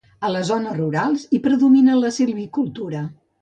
A les zones rurals hi predomina la silvicultura.